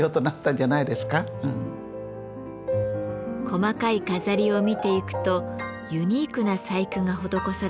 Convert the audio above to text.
細かい飾りを見ていくとユニークな細工が施されています。